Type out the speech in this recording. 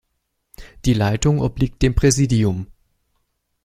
Die Leitung obliegt dem Präsidium.